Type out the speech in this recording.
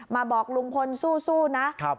บอกลุงพลสู้นะ